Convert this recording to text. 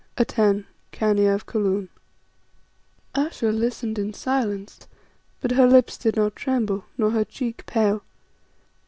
"Atene, "Khania of Kaloon." Ayesha listened in silence, but her lips did not tremble, nor her cheek pale.